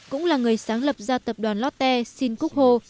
cũng là người sáng lập ra tập đoàn lotte sin kuk ho